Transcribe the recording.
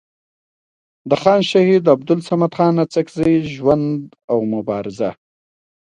د خان شهید عبدالصمد خان اڅکزي ژوند او مبارزه